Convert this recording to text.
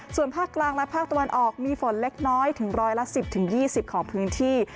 ส่วนภาคกลางและภาคตะวันออกมีฝนเล็กน้อยถึงร้อยละ๑๐๒๐ของพื้นที่